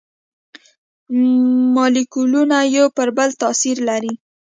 مالیکولونه یو پر بل تاثیر لري.